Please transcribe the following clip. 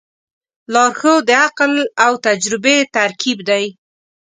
لارښود د عقل او تجربې ترکیب دی.